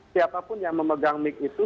siapapun yang memegang mic itu